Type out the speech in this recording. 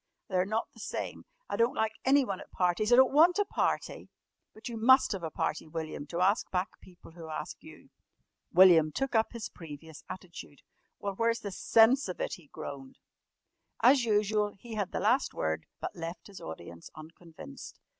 They're not the same. I don't like anyone at parties. I don't want a party!" "But you must have a party, William, to ask back people who ask you." William took up his previous attitude. "Well, where's the sense of it?" he groaned. As usual he had the last word, but left his audience unconvinced.